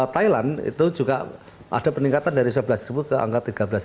thailand itu juga ada peningkatan dari sebelas ke angka tiga belas lima ratus